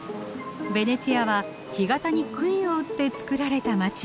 ベネチアは干潟にくいを打ってつくられた街。